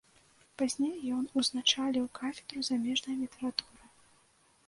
Пазней ён узначаліў кафедру замежнай літаратуры.